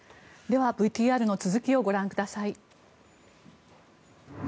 では、ＶＴＲの続きをご覧ください。